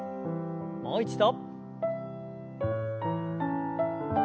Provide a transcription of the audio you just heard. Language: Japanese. もう一度。